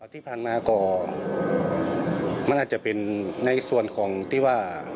ที่ผ่านมาก็มันอาจจะเป็นในส่วนของที่ว่า